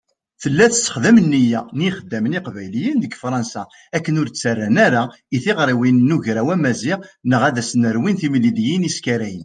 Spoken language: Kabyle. Tella tessexdam nniya n yixeddamen iqbayliyen deg Fṛansa akken ur d-ttarran ara i tiɣriwin n Ugraw Amaziɣ neɣ ad s-nerwin timliliyin iskarayen.